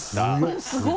すごい！